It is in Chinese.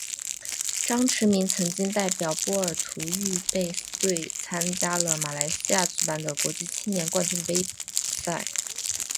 张池明曾经代表波尔图预备队参加了在马来西亚举办的国际青年冠军杯赛。